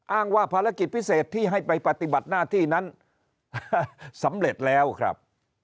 อ้างว่าภารกิจพิเศษที่ให้ไปปฏิบัติหน้าที่นั้นสำเร็จแล้วครับ